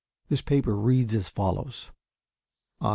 This paper reads as follows: "I, Wm.